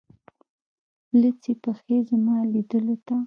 لڅي پښې زما لیدولو ته